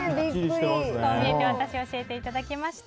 こう見えてワタシを教えていただきました。